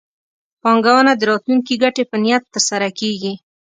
پانګونه د راتلونکي ګټې په نیت ترسره کېږي.